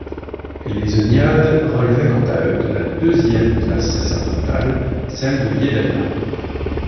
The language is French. Les Oniades relevaient quant à eux de la deuxième classe sacerdotale, celle de Yédaya.